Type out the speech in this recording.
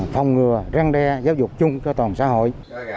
phòng ngừa răng đe giáo dục chung cho toàn xã hội